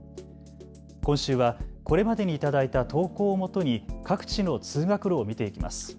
今週はこれまでに頂いた投稿をもとに各地の通学路を見ていきます。